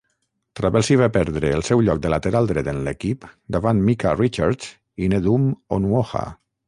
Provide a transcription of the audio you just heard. Trabelsi va perdre el seu lloc de lateral dret en l'equip davant Micah Richards i Nedum Onuoha.